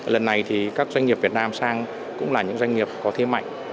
lần này thì các doanh nghiệp việt nam sang cũng là những doanh nghiệp có thế mạnh